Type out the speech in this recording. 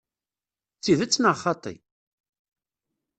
D tidet neɣ xaṭi?